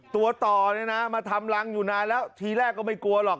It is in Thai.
ตัวต่อเนี่ยนะมาทำรังอยู่นานแล้วทีแรกก็ไม่กลัวหรอก